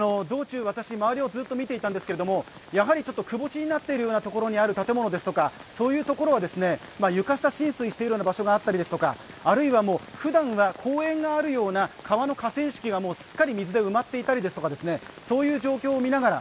道中周りを見ていたんですけど、窪地になっているところにある建物ですとかそういうところは床下浸水しているような場所があったりあるいはふだんは公園があるような川の河川敷がすっかり水で埋まっていたりという状況を見ながら、